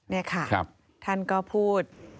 นี่ค่ะท่านก็พูด